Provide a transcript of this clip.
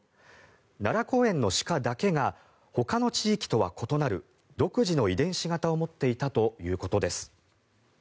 奈良公園の鹿だけがほかの地域とは異なる独自の遺伝子型を持っていたということです。